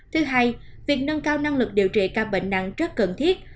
thứ hai việc nâng cao năng lực điều trị ca bệnh nặng rất cần thiết